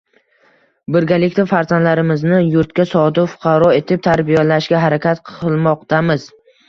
Birgalikda farzandlarimizni yurtga sodiq fuqaro etib tarbiyalashga harakat qilmoqdamiz